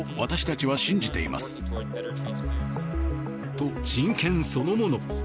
と、真剣そのもの。